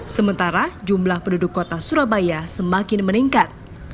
sementara jumlah penduduk kota surabaya semakin meningkat